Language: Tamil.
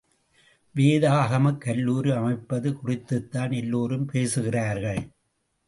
வேதாகமக் கல்லூரி அமைப்பது குறித்துத்தான் எல்லாரும் பேசுகிறார்கள்!